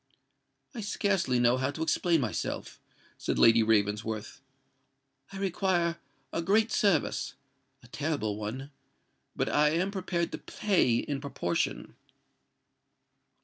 "I scarcely know how to explain myself," said Lady Ravensworth. "I require a great service—a terrible one; but I am prepared to pay in proportion."